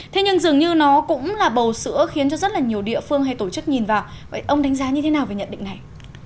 thế nhưng dường như nó cũng là bầu sữa khiến cho rất là nhiều địa phương hay tổ chức nhìn vào vậy ông đánh giá như thế nào về nhận định này